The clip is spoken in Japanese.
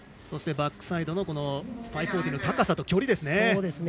そしてバックサイドの５４０の高さと距離ですね。